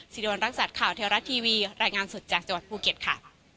สิริวัณรักษัตริย์ข่าวเทวรัฐทีวีรายงานสดจากจังหวัดภูเก็ตค่ะ